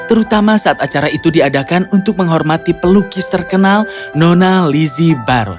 terutama saat acara itu diadakan untuk menghormati pelukis terkenal nona lizzie baron